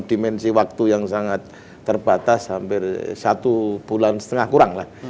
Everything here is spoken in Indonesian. dimensi waktu yang sangat terbatas hampir satu bulan setengah kurang lah